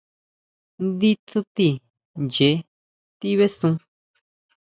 Ndí tsuti ʼnchee tibesun.